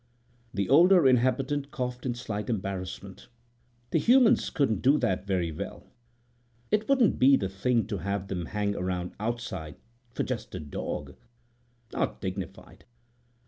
The older inhabitant coughed in slight embarrassment. "The humans couldn't do that very well. It wouldn't be the thing to have them hang around outside for just a dog—not dignified."